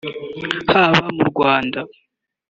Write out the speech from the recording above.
haba mu Rwanda